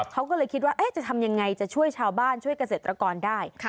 เขาก็เลยคิดว่าจะทำยังไงจะช่วยชาวบ้านช่วยเกษตรกรได้